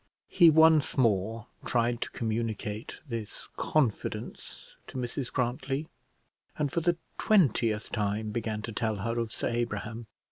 He once more tried to communicate this confidence to Mrs Grantly, and for the twentieth time began to tell her of Sir Abraham.